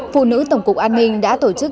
phụ nữ tổng cục an ninh đã tổ chức